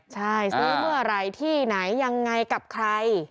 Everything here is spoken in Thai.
ใช่ซื้อเมื่อไหร่ที่ไหนยังไงกับใคร